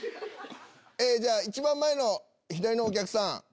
じゃあ一番前の左のお客さん。